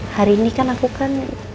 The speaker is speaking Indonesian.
hari ini kan aku kan